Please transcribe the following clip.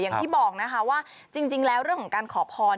อย่างที่บอกนะคะว่าจริงแล้วเรื่องของการขอพร